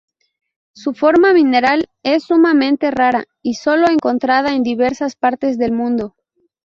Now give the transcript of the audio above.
Su forma mineral es sumamente rara y solo encontrada en diversas partes del mundo